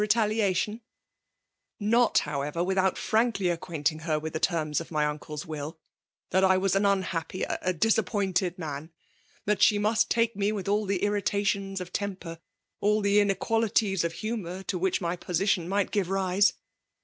retaliation !"" Not however without frankly acquainting her with the terms of my uncle's will, — that I was an unhappy, a disappointed man ; that she must take me with all the irritations of temper, all the inequalities of humour, to which my position might give rise.